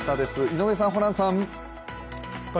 井上さん、ホランさん。